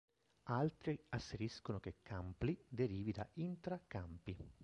Altri asseriscono che Campli derivi da "intra campi".